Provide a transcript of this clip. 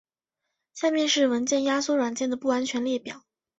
下面是文件压缩软件的不完全列表。